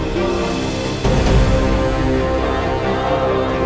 dewa temen aku